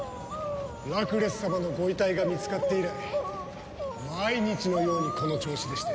ラクレス様のご遺体が見つかって以来毎日のようにこの調子でして。